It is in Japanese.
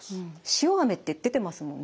塩あめって出てますもんね。